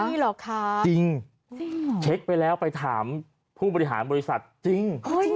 นี่เหรอคะจริงเช็คไปแล้วไปถามผู้บริหารบริษัทจริง